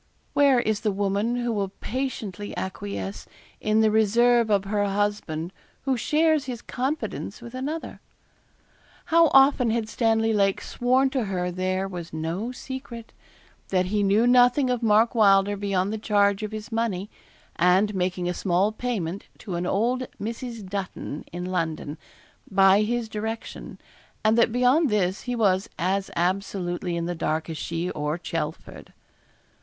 Where is the woman who will patiently acquiesce in the reserve of her husband who shares his confidence with another? How often had Stanley Lake sworn to her there was no secret; that he knew nothing of Mark Wylder beyond the charge of his money, and making a small payment to an old Mrs. Dutton, in London, by his direction, and that beyond this, he was as absolutely in the dark as she or Chelford.